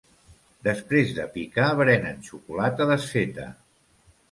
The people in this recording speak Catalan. Després de picar berenen xocolata desfeta.